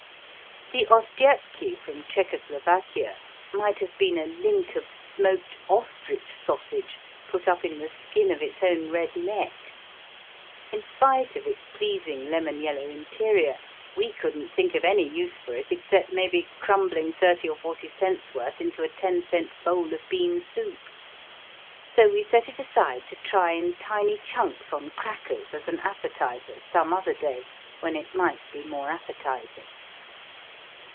The Ostiepki from Czechoslovakia might have been a link of smoked ostrich sausage put up in the skin of its own red neck. In spite of its pleasing lemon yellow interior, we couldn't think of any use for it except maybe crumbling thirty or forty cents' worth into a ten cent bowl of bean soup. But that seemed like a waste of money, so we set it aside to try in tiny chunks on crackers as an appetizer some other day, when it might be more appetizing.